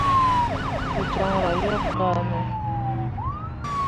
Gee joŋra yeb gah me.